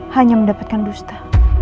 hanya mendapatkan dusta